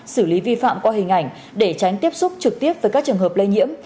xử lý vi phạm qua hình ảnh để tránh tiếp xúc trực tiếp với các trường hợp lây nhiễm